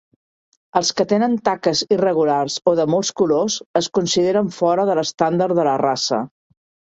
Els que tenen taques irregulars o de molts colors es consideren fora de l'estàndard de la raça.